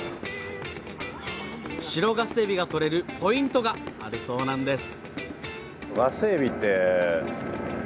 白ガスエビが取れるポイントがあるそうなんです